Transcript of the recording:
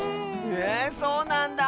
へえそうなんだあ。